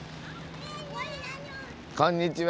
こんにちは。